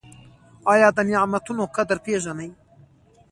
ایا د نعمتونو قدر پیژنئ؟